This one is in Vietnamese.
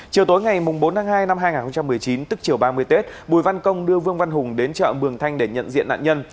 chiều tối ngày bốn tháng hai năm hai nghìn một mươi chín tức chiều ba mươi tết bùi văn công đưa vương văn hùng đến chợ mường thanh để nhận diện nạn nhân